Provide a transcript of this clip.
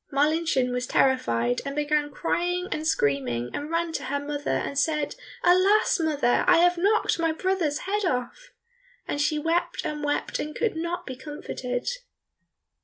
Marlinchen was terrified, and began crying and screaming, and ran to her mother, and said, "Alas, mother, I have knocked my brother's head off!" and she wept and wept and could not be comforted.